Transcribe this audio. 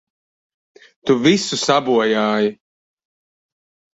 Tu visu sabojāji!